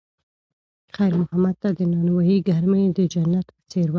خیر محمد ته د نانوایۍ ګرمي د جنت په څېر وه.